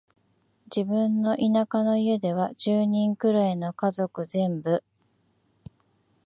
自分の田舎の家では、十人くらいの家族全部、